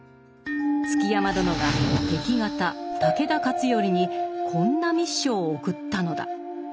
築山殿が敵方武田勝頼にこんな密書を送ったのだ。